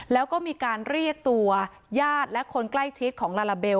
แล้วก็มีการเรียกตัวญาติและคนใกล้ชิดของลาลาเบล